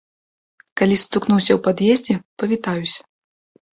Калі сутыкнуся ў пад'ездзе, павітаюся.